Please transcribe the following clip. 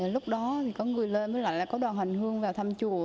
lúc đó thì có người lên với lại là có đoàn hành hương vào thăm chùa